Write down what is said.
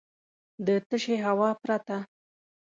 د تشې هوا پرته .